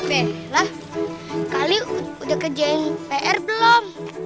bella kali udah kerjain pr belum